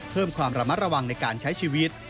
เพิ่มความระมัดระวังในการใช้ชีวิต